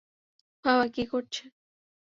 বাবা কী করছে?